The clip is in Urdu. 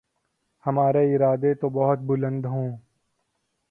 ہمارے ارادے تو بہت بلند ہوں۔